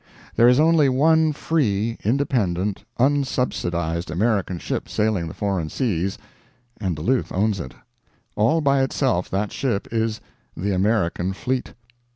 There is only one free, independent, unsubsidized American ship sailing the foreign seas, and Duluth owns it. All by itself that ship is the American fleet.